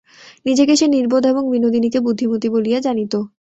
নিজেকে সে নির্বোধ এবং বিনোদিনীকে বুদ্ধিমতী বলিয়া জানিত।